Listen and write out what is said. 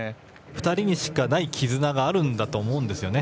２人にしかない絆があるんだと思います。